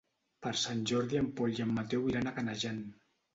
Per Sant Jordi en Pol i en Mateu iran a Canejan.